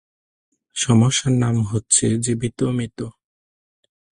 সমস্যার নাম হচ্ছে, জীবিত মৃত।